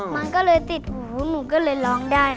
มันก็เลยติดหูหนูก็เลยร้องได้